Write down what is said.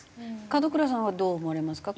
門倉さんはどう思われますか？